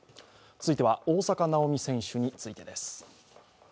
続いては大坂なおみ選手についてです。